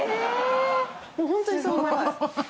ホントにそう思います。